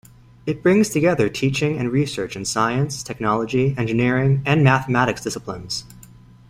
It brings together teaching and research in science, technology, engineering, and mathematics disciplines.